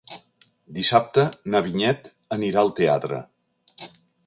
Dissabte na Vinyet anirà al teatre.